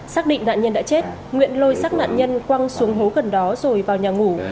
xác định nạn nhân đã chết nguyễn lôi xác nạn nhân quăng xuống hố gần đó rồi vào nhà ngủ